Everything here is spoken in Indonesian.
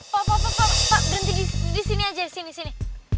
pak pak pak pak berhenti disini aja sini sini